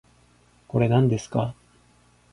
これ、なんですか